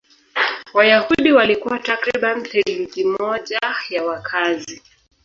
Wayahudi walikuwa takriban theluthi moja ya wakazi.